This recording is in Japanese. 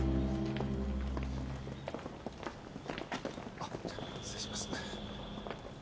あっじゃあ失礼します。